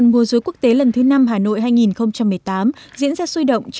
bất cứ ph footwork có thể nhận được